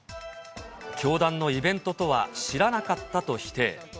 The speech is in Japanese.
教団のイベントとは知らなかったと否定。